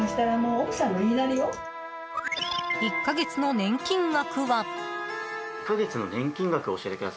１か月の年金額は。